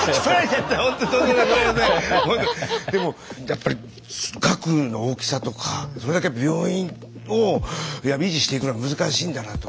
でもやっぱり額の大きさとかそれだけ病院を維持していくのは難しいんだなと。